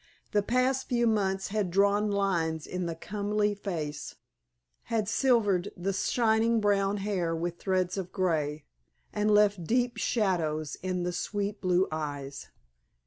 The past few months had drawn lines in the comely face, had silvered the shining brown hair with threads of grey, and left deep shadows in the sweet blue eyes.